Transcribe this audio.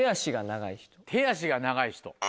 手足が長い人。